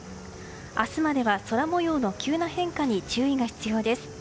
明日までは、空模様の急な変化に注意が必要です。